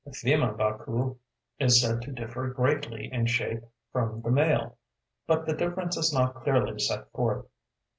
The female Baku is said to differ greatly in shape from the male; but the difference is not clearly set forth.